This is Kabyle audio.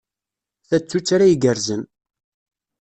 Ta d tuttra igerrzen.